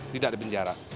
tidak di penjara